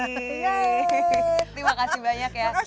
terima kasih banyak ya